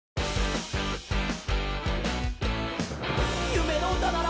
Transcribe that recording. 「ゆめのうたなら」